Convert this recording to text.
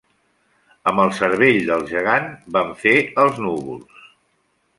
Amb el cervell del gegant van fer els núvols.